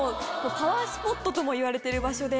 パワースポットともいわれてる場所で。